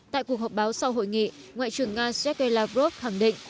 tại cuộc họp báo sau hội nghị ngoại trưởng nga sergei lavrov khẳng định